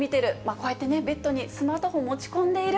こうやってね、ベッドにスマートフォンを持ち込んでいる。